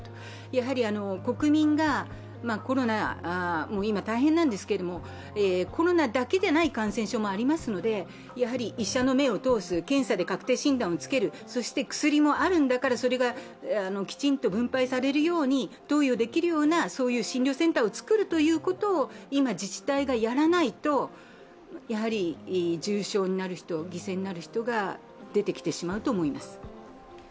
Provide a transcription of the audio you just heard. やはり国民がコロナ、今、大変なんですけれどもコロナだけじゃない感染症もありますので、医者の目を通す、検査で確定診断をつける、そして薬もあるんだからそれがきちんと分配できるように投与できるような診療センターをつくることを今自治体がやらないと重症になる人、犠牲になる人が出てきてしまうと思います。